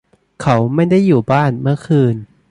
เขาไม่ได้อยู่บ้านเมื่อคืน